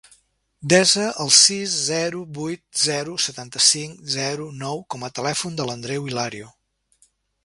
Desa el sis, zero, vuit, zero, setanta-cinc, zero, nou com a telèfon de l'Andreu Hilario.